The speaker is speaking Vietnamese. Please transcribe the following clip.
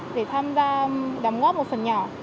để tham gia đám ngót một phần nhỏ